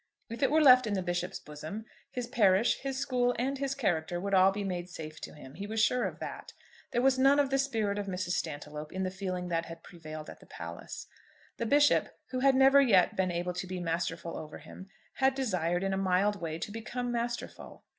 If it were left in the Bishop's bosom, his parish, his school, and his character would all be made safe to him. He was sure of that. There was none of the spirit of Mrs. Stantiloup in the feeling that had prevailed at the palace. The Bishop, who had never yet been able to be masterful over him, had desired in a mild way to become masterful.